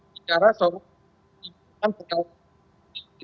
bicara soal di tangan sekalipun